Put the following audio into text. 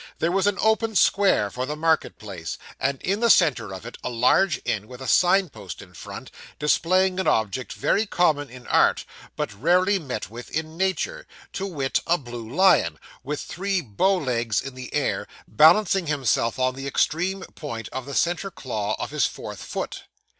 There was an open square for the market place; and in the centre of it, a large inn with a sign post in front, displaying an object very common in art, but rarely met with in nature to wit, a blue lion, with three bow legs in the air, balancing himself on the extreme point of the centre claw of his fourth foot.